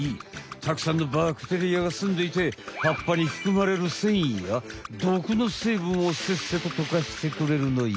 たくさんのバクテリアがすんでいて葉っぱにふくまれるせんいやどくのせいぶんをせっせととかしてくれるのよ。